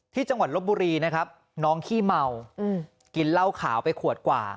จังหวัดลบบุรีนะครับน้องขี้เมากินเหล้าขาวไปขวดกว่า